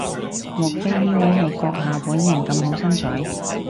莫非呢位係閣下本人咁好身材？